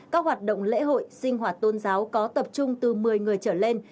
các hoạt động lễ hội sinh hoạt tôn giáo có tập trung từ một mươi người trở lên